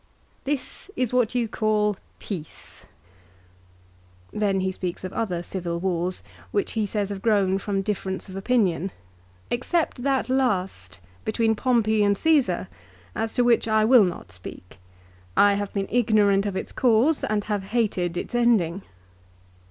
This is what you call peace !" Then he speaks of other civil wars, which he says have grown from difference of opinion, "except that last between Pompey and Csesar as to which I will not speak. I have been ignorant of its cause and have hated its ending."